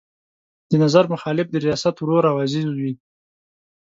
د نظر مخالف د ریاست ورور او عزیز وي.